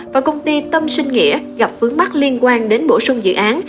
và công ty tâm sinh nghĩa gặp vướng mắt liên quan đến bổ sung dự án